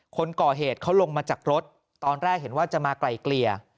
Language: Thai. คนก่อเหตุเขาลงมาจากรถตอนแรกเห็นว่าจะมาไกลเกลี่ย